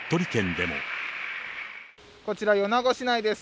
こちら、米子市内です。